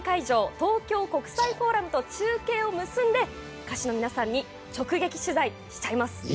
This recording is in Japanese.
東京国際フォーラムと中継を結び歌手の皆さんに突撃取材しちゃいます。